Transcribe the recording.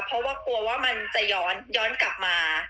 เพราะว่ากลัวว่ามันจะย้อนกลับมา